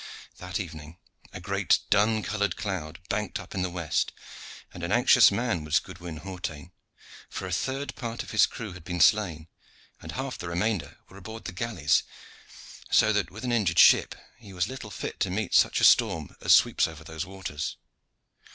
That evening a great dun colored cloud banked up in the west, and an anxious man was Goodwin Hawtayne, for a third part of his crew had been slain, and half the remainder were aboard the galleys, so that, with an injured ship, he was little fit to meet such a storm as sweeps over those waters.